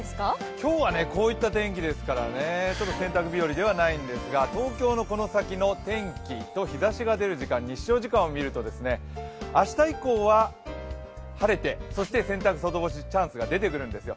今日はこういった天気ですから洗濯日和ではないんですが東京のこの先の天気と日ざしが出る時間、日照時間を見ると、明日以降は晴れて、洗濯外干しチャンスが出てくるんですよ。